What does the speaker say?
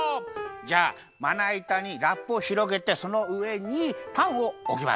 じゃあまないたにラップをひろげてそのうえにパンをおきます。